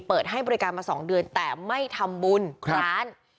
เปิดให้บริการมา๒เดือนแต่ไม่ทำบุญร้าน